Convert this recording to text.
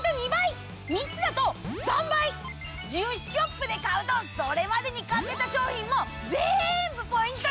１０ショップで買うとそれまでに買ってた商品もぜんぶポイント